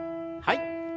はい。